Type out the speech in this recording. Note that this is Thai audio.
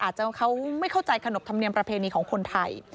เขาไม่เข้าใจขนบธรรมเนียมประเพณีของคนไทย